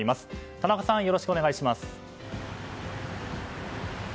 田中さん、よろしくお願いします。